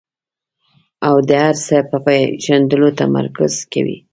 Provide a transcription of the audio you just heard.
او د هر څه په پېژندلو تمرکز کوي.